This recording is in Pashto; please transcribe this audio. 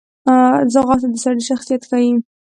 ځغاسته د سړي شخصیت ښیي